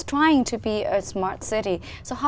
trang phóng đại diện